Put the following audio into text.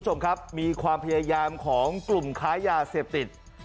คุณผู้ชมครับมีความพยายามของกลุ่มค้ายาเสพติด